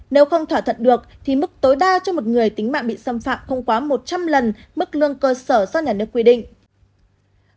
nếu không thỏa thuận được thì mức tối đa cho một người tính mạng bị xâm phạm không quá một trăm linh lần mức lương cơ sở do nhà nước quy định